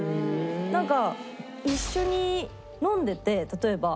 なんか一緒に飲んでて例えば。